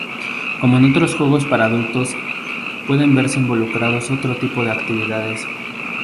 Como en otros juegos para adultos, pueden verse involucradas otro tipo de actividades.